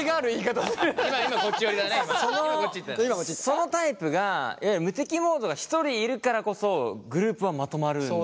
そのタイプが無敵モードが１人いるからこそグループはまとまるんだよね。